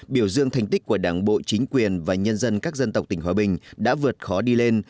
biểu dương thành tích của đảng bộ chính quyền và nhân dân các dân tộc tỉnh hòa bình đã vượt khó đi lên